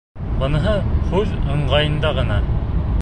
Быныһы һүҙ ыңғайында ғына.